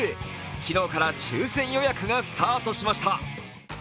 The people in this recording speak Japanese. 昨日から抽選予約がスタートしました。